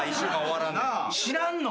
知らんの？